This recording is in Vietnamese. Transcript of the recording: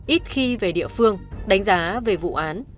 ít khi về địa phương đánh giá về vụ án